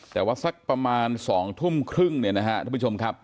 แต่ว่าสักประมาณ๒ทุ่มครึ่งเนี่ยนะฮะท่านผู้ชมครับ